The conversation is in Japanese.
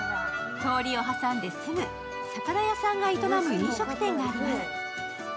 通りを挟んですぐ、魚屋さんが営む飲食店があります。